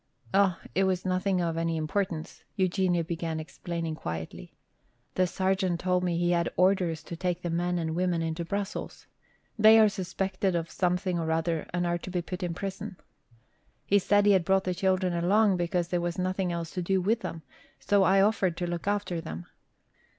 "Oh, it was nothing of any importance," Eugenia began explaining quietly. "The sergeant told me he had orders to take the men and women into Brussels. They are suspected of something or other and are to be put into prison. He said he had brought the children along because there was nothing else to do with them, so I offered to look after them."